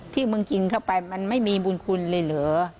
ที่มึงกินเข้าไปมันไม่มีบุญคุณเลยเหรอ